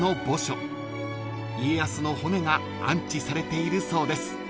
［家康の骨が安置されているそうです］